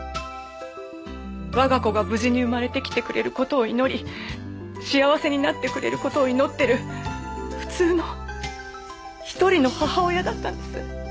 我が子が無事に生まれてきてくれる事を祈り幸せになってくれる事を祈ってる普通の一人の母親だったんです。